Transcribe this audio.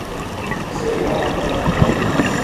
سیریاں ہالا بیلا ما جا رہیا